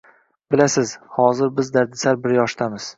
Bilasiz, hazir biz dardisar bir yoshdamiz